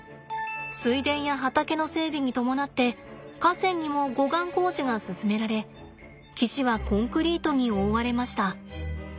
水田や畑の整備に伴って河川にも護岸工事が進められ岸はコンクリートに覆われました。